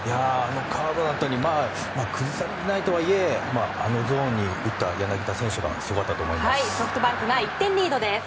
カーブのあとに崩されないとはいえあのゾーンに打った柳田選手がすごかったと思います。